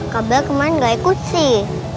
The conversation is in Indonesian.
kabel kemarin nggak ikut sih